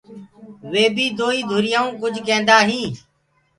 وي بي دوئيٚ ڌُريانٚوٚ ڪُج ڪيندآ هينٚ۔